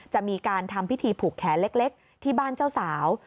จะมีการทำพิธีผูกแขนเล็กที่บ้านเจ้าสาว